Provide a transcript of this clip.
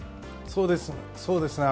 そうですね。